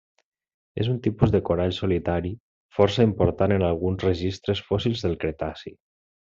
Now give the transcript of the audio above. És un tipus de corall solitari força important en alguns registres fòssils del Cretaci.